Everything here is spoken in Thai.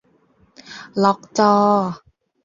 ล็อกจอ